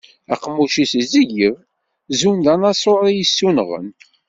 Aqemmuc-is izeyyeb, zun d anaẓur i t-yessunɣen.